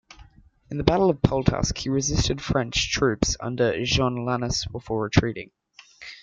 In the Battle of Pultusk he resisted French troops under Jean Lannes before retreating.